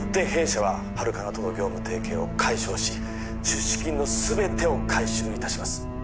弊社はハルカナとの業務提携を解消し出資金のすべてを回収いたします